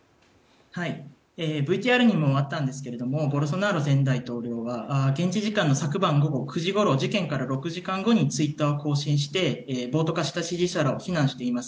ＶＴＲにもあったんですがボルソナロ前大統領は現地時間の昨晩午後９時ごろ事件から６時間後にツイッターを更新して暴徒化した支持者らを非難しています。